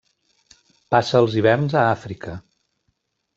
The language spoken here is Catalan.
Passa els hiverns a Àfrica.